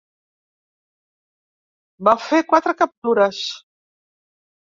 Va fer quatre captures.